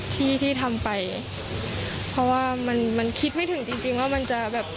ที่ที่ทำไปเพราะว่ามันมันคิดไม่ถึงจริงจริงว่ามันจะแบบ